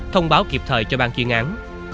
thông báo kịp thời cho bang chuyên án